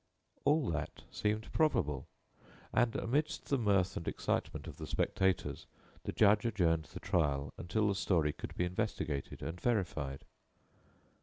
All that seemed probable; and, amidst the mirth and excitement of the spectators, the judge adjourned the trial until the story could be investigated and verified.